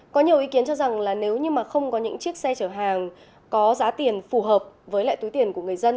có nhiều ý kiến cho rằng là nếu như mà không có những chiếc xe chở hàng có giá tiền phù hợp với lại túi tiền của người dân